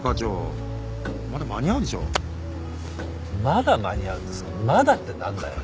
「まだ間に合う」ってその「まだ」って何だよ？